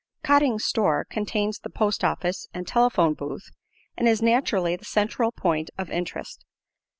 Cotting's Store contains the postoffice and telephone booth, and is naturally the central point of interest.